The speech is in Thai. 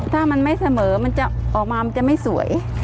ถ้ามันไม่เสมอมันจะออกมามันจะไม่สวย